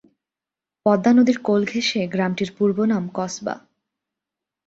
পদ্মা নদীর কোল ঘেঁষে গ্রামটির পূর্ব নাম কসবা।